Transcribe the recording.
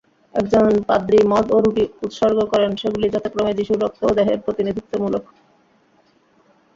একজন পাদ্রি মদ ও রুটি উৎসর্গ করেন, যেগুলি যথাক্রমে যীশুর রক্ত ও দেহের প্রতিনিধিত্বমূলক।